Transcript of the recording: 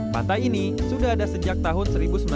pantai ini sudah ada sejak tahun seribu sembilan ratus sembilan puluh